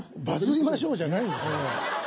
「バズりましょう」じゃないですよ。